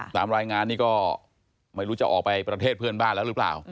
ตามรายงานนี่ก็ไม่รู้จะออกไปประเทศเพื่อนบ้านแล้วหรือเปล่า